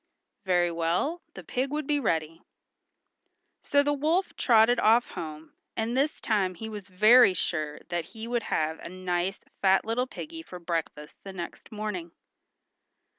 Very well; the pig would be ready. So the wolf trotted off home, and this time he was very sure that he would have a nice fat little piggy for breakfast the next morning.